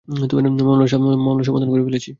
মামলার সমাধান করে ফেলছি।